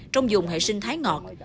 trong dùng hệ sinh thái ngọt